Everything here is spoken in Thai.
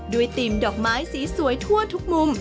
ด้วยติมดอกไม้สีสวยทั่วทุกมุม